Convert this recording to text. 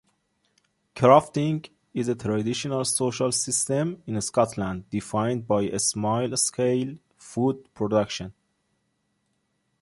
Crofting is a traditional social system in Scotland defined by small-scale food production.